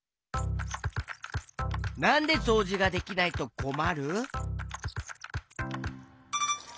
なんでそうじができないとこまる？